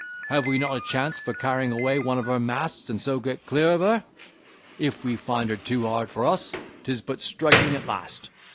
have we not a chance for carrying away one of her masts, and so get clear of her? If we find her too hard for us, 'tis but striking at last.